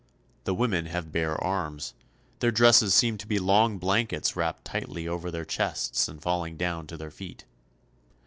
The women have bare arms. Their dresses seem to be long blankets wrapped tightly over their chests and falling down to their feet.